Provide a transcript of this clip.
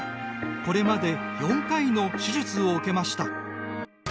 これまで４回の手術を受けました。